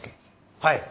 はい。